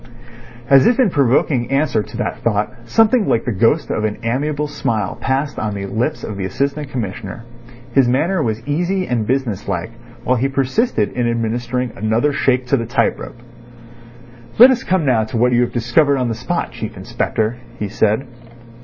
As if in provoking answer to that thought, something like the ghost of an amiable smile passed on the lips of the Assistant Commissioner. His manner was easy and business like while he persisted in administering another shake to the tight rope. "Let us come now to what you have discovered on the spot, Chief Inspector," he said.